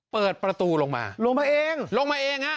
เปิดประตูลงมาลงมาเองลงมาเองฮะ